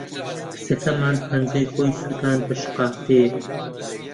کچەکەمان پەنجەی خۆی سووتاند بە شقارتەیەک.